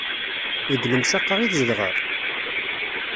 Deg lemsaq-a i tzedɣeḍ?